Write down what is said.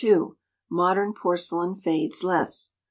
Modern Porcelain Fades Less.